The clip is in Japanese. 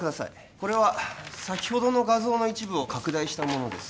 これは先ほどの画像の一部を拡大したものです